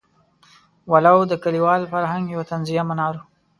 ولو د کلیوال فرهنګ یو طنزیه منار وو.